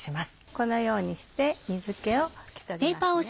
このようにして水気を拭き取りますね。